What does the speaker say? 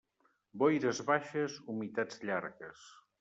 Boires baixes, humitats llargues.